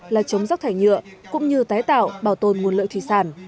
là chống rác thải nhựa cũng như tái tạo bảo tồn nguồn lợi thủy sản